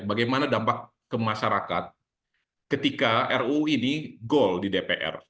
bagaimana dampak ke masyarakat ketika ruu ini goal di dpr